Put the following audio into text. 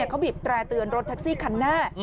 เขาบิดแปรเตือนรถทักซี่คันหน้า